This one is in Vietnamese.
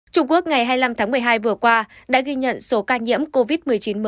trung quốc ngày hai mươi năm tháng một mươi hai vừa qua đã ghi nhận số ca nhiễm covid một mươi chín mới